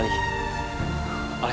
oleh pasukan mongor